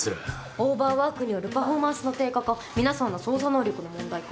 オーバーワークによるパフォーマンスの低下か皆さんの捜査能力の問題か。